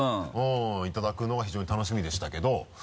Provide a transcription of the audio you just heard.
いただくのが非常に楽しみでしたけど。